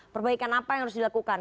perbaikan apa yang harus dilakukan